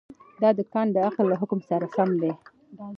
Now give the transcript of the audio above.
دا د کانټ د عقل له حکم سره سم دی.